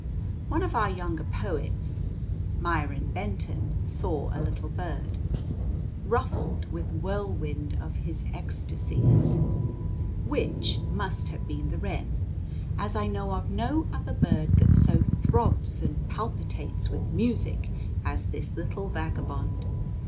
One of our younger poets, Myron Benton, saw a little bird "Ruffled with whirlwind of his ecstasies," which must have been the wren, as I know of no other bird that so throbs and palpitates with music as this little vagabond.